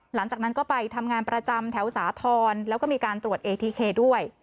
หลังจากนั้นก็ไปทำงานประจำแถวสาธรณ์แล้วก็มีการตรวจเอทีเคด้วย